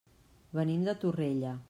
Venim de Torrella.